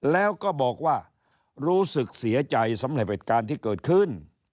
แล้วก็บอกว่ารู้สึกเสียใจสำหรับเหตุการณ์ที่เกิดขึ้น